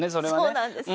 そうなんです。